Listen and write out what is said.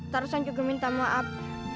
tarzan juga minta maaf